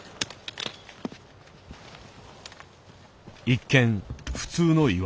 一見普通の岩。